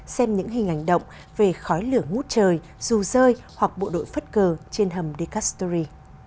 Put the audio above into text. xem những hình ảnh động về khói lửa ngút trời dù rơi hoặc bộ đội phất cờ trên hầm decastory